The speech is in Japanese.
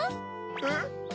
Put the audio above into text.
えっ？